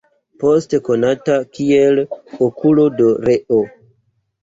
Poste konata kiel "Okulo de Reo".